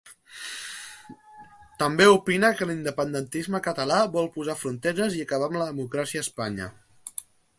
També opina que l'independentisme català vol posar fronteres i acabar amb la democràcia a Espanya.